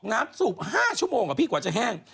น้ำสูบ๕ชั่วโมงกว่าพี่กว่าจะแห้ง